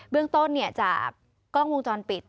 เรื่องต้นจากกล้องวงจรปิด